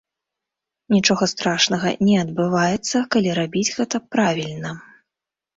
Нічога страшнага не адбываецца, калі рабіць гэта правільна.